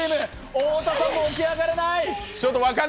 太田さんも起き上がれない。